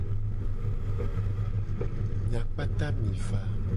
Mia kpata mi va.